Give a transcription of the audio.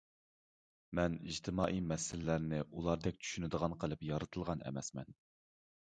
مەن ئىجتىمائىي مەسىلىلەرنى ئۇلاردەك چۈشىنىدىغان قىلىپ يارىتىلغان ئەمەسمەن.